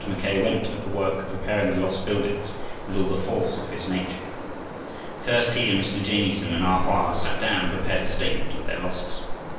Mackay went at the work of repairing the lost buildings with all the force of his nature. First, he and Mr. Jamieson and A Hoa sat down and prepared a statement of their losses.